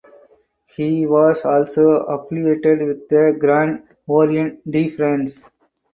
He was also affiliated with the Grand Orient de France.